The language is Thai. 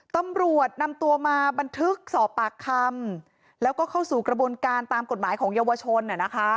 ตำรวจนำตัวมาบันทึกสอบปากคำแล้วก็เข้าสู่กระบวนการตามกฎหมายของเยาวชน